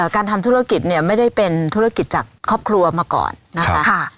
การทำธุรกิจเนี่ยไม่ได้เป็นธุรกิจจากครอบครัวมาก่อนนะคะ